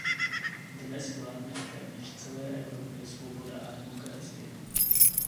Dnes vládne v téměř celé Evropě svoboda a demokracie.